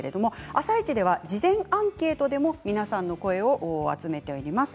「あさイチ」では事前アンケートでも皆さんの声を集めています。